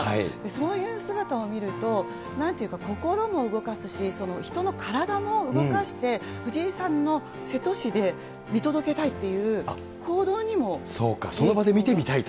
そういう姿を見ると、なんていうか、心も動かすし、人の体も動かして、藤井さんの瀬戸市で、その場で見てみたいと。